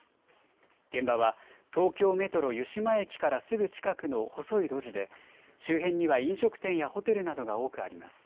現場は東京メトロ湯島駅からすぐ近くの細い路地で周辺には飲食店やホテルなどが多くあります。